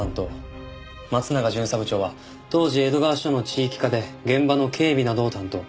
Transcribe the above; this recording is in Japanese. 松永巡査部長は当時江戸川署の地域課で現場の警備などを担当。